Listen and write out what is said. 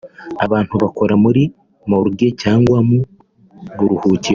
Abantu bakora muri morgue cyangwa mu buruhukiro